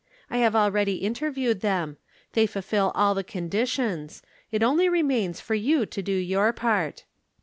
I have already interviewed them. They fulfil all the conditions. It only remains for you to do your part."